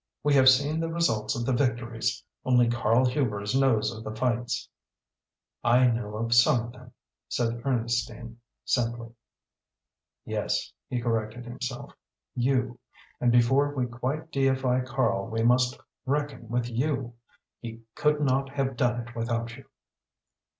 We have seen the results of the victories. Only Karl Hubers knows of the fights." "I know of some of them," said Ernestine, simply. "Yes," he corrected himself "you. And before we quite deify Karl we must reckon with you. He could not have done it without you."